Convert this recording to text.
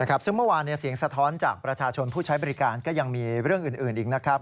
ซึ่งเมื่อวานเสียงสะท้อนจากประชาชนผู้ใช้บริการก็ยังมีเรื่องอื่นอีกนะครับ